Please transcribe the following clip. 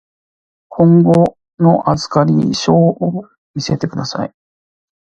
今後の預かり証を見せてください。